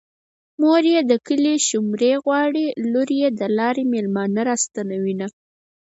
مور يې د کلي شومړې غواړي لور يې د لارې مېلمانه راستنوينه